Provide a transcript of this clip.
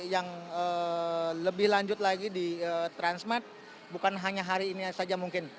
yang lebih lanjut lagi di transmart bukan hanya hari ini saja mungkin